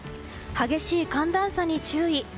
激しい寒暖差に注意。